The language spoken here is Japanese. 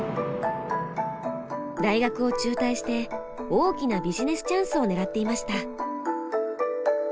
大学を中退して大きなビジネスチャンスを狙っていました。